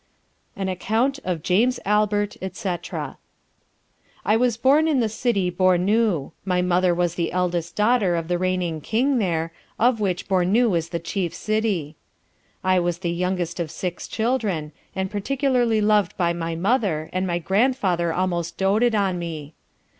AN ACCOUNT OF JAMES ALBERT, &c. I was born in the city Bournou; my mother was the eldest daughter of the reigning King there, of which Bournou is the chief city. I was the youngest of six children, and particularly loved by my mother, and my grand father almost doated on me.